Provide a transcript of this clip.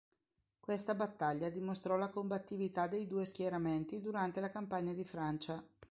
Questa battaglia dimostrò la combattività dei due schieramenti durante la campagna di Francia.